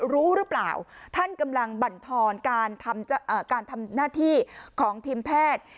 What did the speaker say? รู้หรือเปล่าท่านกำลังบรรทอนการทำหน้าที่ของทีมแพทย์